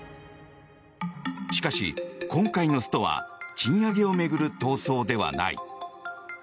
しかし、今回のストは賃上げを巡る闘争ではない。